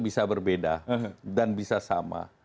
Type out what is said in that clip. bisa berbeda dan bisa sama